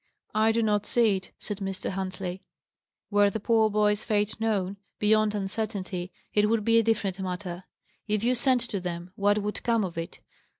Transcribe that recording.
"I do not see it," said Mr. Huntley. "Were the poor boy's fate known, beyond uncertainty, it would be a different matter. If you send to them, what would come of it?